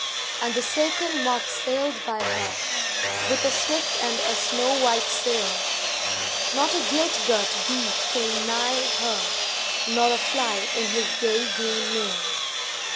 And the silken moth sailed by her With a swift and a snow white sail; Not a gilt girt bee came nigh her, Nor a fly in his gay green mail.